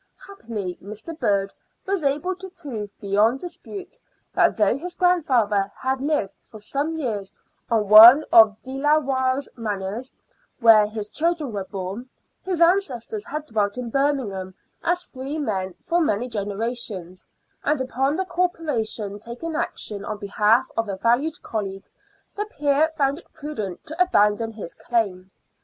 Happily Mr. Bird was able to prove beyond dispute that though his grandfather had lived for some years on one of De la Warre's manors, where his children were bom, his ancestors had dwelt in Birmingham as free men for many genera tions, and upon the Corporation taking action on behalf of a valued colleague, the peer found it prudent to abandon his claim.